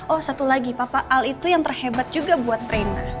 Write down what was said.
oh satu lagi papa al itu yang terhebat juga buat training